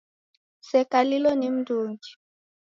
Msekalilo ni mndungi